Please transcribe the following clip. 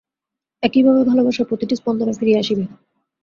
একইভাবে ভালবাসার প্রতিটি স্পন্দনও ফিরিয়া আসিবে।